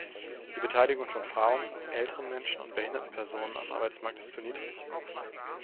Die Beteiligung von Frauen, älteren Menschen und behinderten Personen am Arbeitsmarkt ist zu niedrig.